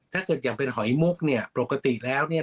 ถ้าเกิดอย่างเป็นหอยมุกเนี่ยปกติแล้วเนี่ย